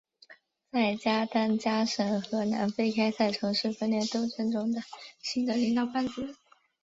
在加丹加省和南非开赛从事分裂斗争中的新的领导班子。